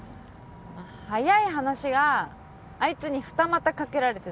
まあ早い話があいつに二股かけられてたんですよ